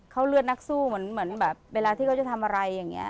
เขาเลือดนักสู้เหมือนแบบเวลาที่เขาจะทำอะไรอย่างนี้